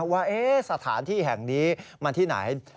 ว่าสถานที่แห่งนี้มันที่ไหน